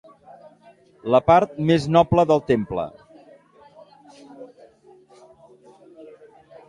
La part més noble del temple.